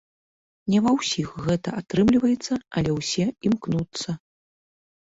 Не ва ўсіх гэта атрымліваецца, але ўсе імкнуцца.